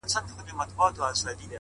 اوس به څوك راويښوي زاړه نكلونه-